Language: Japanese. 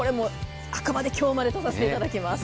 あくまで今日までとさせていただきます。